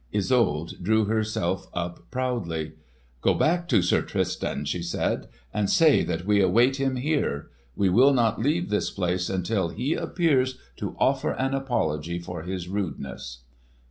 Isolde drew herself up proudly. "Go back to Sir Tristan," she said, "and say that we await him here. We will not leave this place until he appears to offer an apology for his rudeness!"